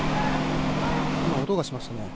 今、音がしましたね。